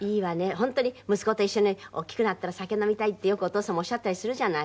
本当に「息子と一緒に大きくなったら酒飲みたい」ってよくお父様おっしゃったりするじゃない。